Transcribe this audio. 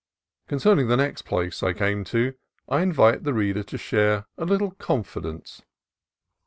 Concerning the next place I came to, I invite the reader to share a little confidence.